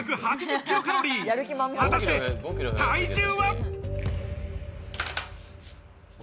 果たして体重は？